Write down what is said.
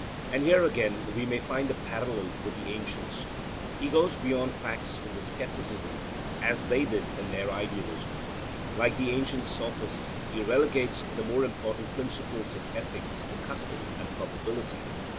And here, again, we may find a parallel with the ancients. He goes beyond facts in his scepticism, as they did in their idealism. Like the ancient Sophists, he relegates the more important principles of ethics to custom and probability.